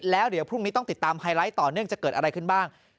แล้วเดี๋ยวพรุ่งนี้ต้องติดตามไฮไลท์ต่อเนื่องจะเกิดอะไรขึ้นบ้าง